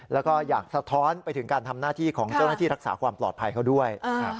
แล้วก็อยากสะท้อนไปถึงการทำหน้าที่ของเจ้าหน้าที่รักษาความปลอดภัยเขาด้วย